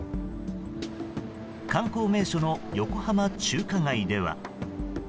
観光名所の横浜中華街では。